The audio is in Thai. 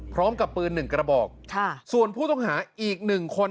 พร้อมกับปืน๑กระบอกส่วนผู้ต้องหาอีก๑คน